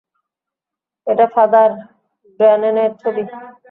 এটা ফাদার ব্র্যানেনের ছবি।